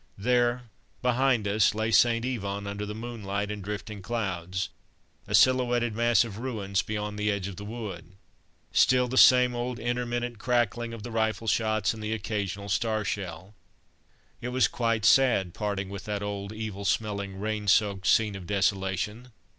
There, behind us, lay St. Yvon, under the moonlight and drifting clouds; a silhouetted mass of ruins beyond the edge of the wood. Still the same old intermittent cracking of the rifle shots and the occasional star shell. It was quite sad parting with that old evil smelling, rain soaked scene of desolation.